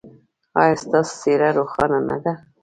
ایا ستاسو څیره روښانه نه ده؟